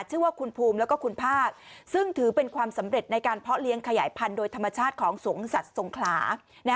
ชื่อว่าคุณภูมิแล้วก็คุณภาคซึ่งถือเป็นความสำเร็จในการเพาะเลี้ยงขยายพันธุ์โดยธรรมชาติของสวงสัตว์สงขลา